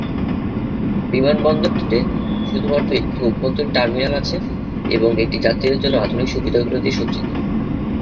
বিমানবন্দরটিতে শুধুমাত্র একটি অভ্যন্তরীণ টার্মিনাল আছে এবং এটি যাত্রীদের জন্য আধুনিক সুবিধাগুলি দিয়ে সজ্জিত।